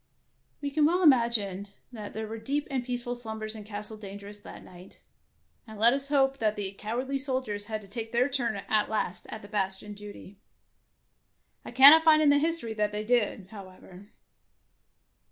We can well imagine that there were deep and peaceful slumbers in Castle Dangerous that night, and let us hope that the cowardly soldiers had to take their turn at last at bastion duty. I cannot find in the history that they did, however.